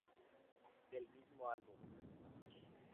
Del mismo álbum.